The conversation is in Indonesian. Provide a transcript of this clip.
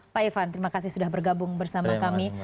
pak irvan terima kasih sudah bergabung bersama kami